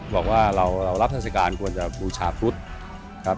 บอกว่าเรารับราชการควรจะบูชาพุทธครับ